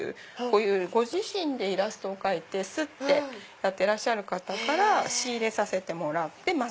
ご自身でイラストを描いて刷ってやってらっしゃる方から仕入れさせてもらってます。